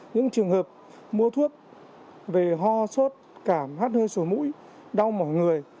những trường hợp mua thuốc về ho sốt cảm hot hơi sổ mũi đau mỏ người